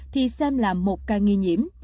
thì xem là một ca nghi nhiễm